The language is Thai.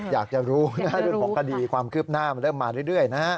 อยากจะรู้นะเรื่องของคดีความคืบหน้ามันเริ่มมาเรื่อยนะฮะ